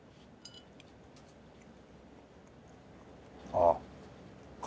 あっ。